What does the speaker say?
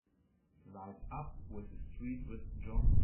Light up with the street with Johnson!